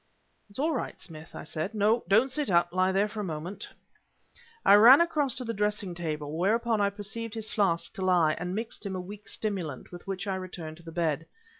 "It's all right, Smith!" I said "no! don't sit up; lie there for a moment." I ran across to the dressing table, whereon I perceived his flask to lie, and mixed him a weak stimulant with which I returned to the bed.